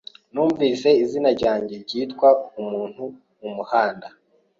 Numvise izina ryanjye ryitwa umuntu mumuhanda.